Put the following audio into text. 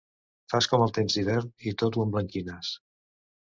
Fas com el temps d'hivern i tot ho emblanquines.